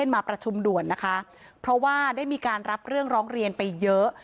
มาประชุมด่วนนะคะเพราะว่าได้มีการรับเรื่องร้องเรียนไปเยอะ